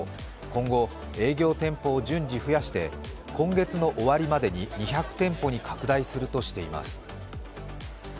今後、営業店舗を順次増やして今月の終わりまでに２００店舗に拡大するとしています。